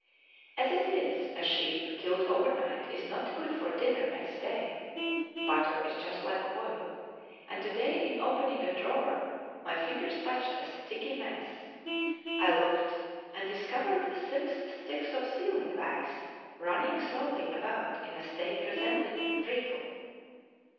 As it is, a sheep killed overnight is not good for dinner next day; butter is just like oil, and to day in opening a drawer my fingers touched a sticky mess; I looked and discovered six sticks of sealing wax running slowly about in a state resembling treacle.